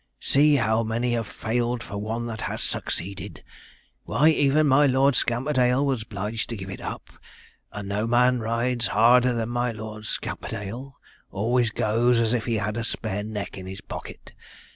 See how many have failed for one that has succeeded. Why, even my Lord Scamperdale was 'bliged to give it up, and no man rides harder than my Lord Scamperdale always goes as if he had a spare neck in his pocket.